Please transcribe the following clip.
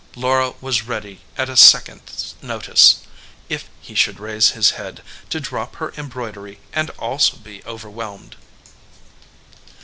Laura was ready at a second s notice, if he should raise his head, to drop her embroidery and also be overwhelmed.